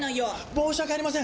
申し訳ありません！